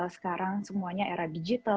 sekarang semuanya era digital